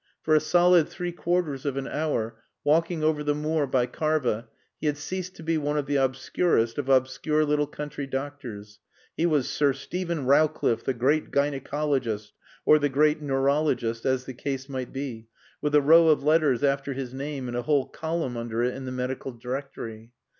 For a solid three quarters of an hour, walking over the moor by Karva, he had ceased to be one of the obscurest of obscure little country doctors. He was Sir Steven Rowcliffe, the great gynæcologist, or the great neurologist (as the case might be) with a row of letters after his name and a whole column under it in the Medical Directory.